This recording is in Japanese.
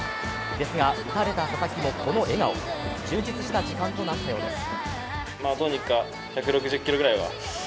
ですが、打たれた佐々木もこの笑顔充実した時間となったようです。